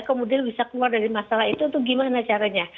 kemudian bisa keluar dari masalah itu untuk gimana caranya